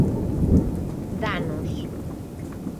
Danos.